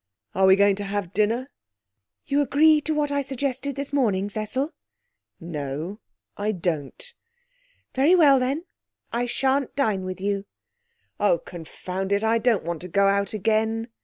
'Are we going to have dinner?' 'You agree to what I suggested this morning, Cecil?' 'No, I don't.' 'Very well, then; I shan't dine with you.' 'Oh, confound it! I don't want to go out again.'